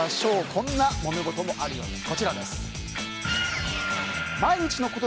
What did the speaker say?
こんなもめ事もあるようです。